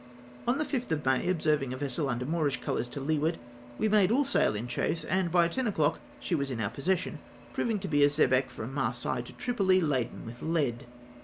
On the 5th of May observing a vessel under Moorish colours to leeward, we made all sail in chase, and by ten o'clock she was in our possession, proving to be a xebec from Marseilles to Tripoli, laden with lead.